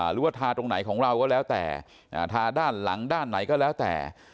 หรือว่าทาตรงไหนของเราก็แล้วแต่ทาด้านหลังด้านไหนก็แล้วแต่